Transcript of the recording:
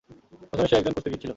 প্রথমে সে একজন কুস্তিগীর ছিলো।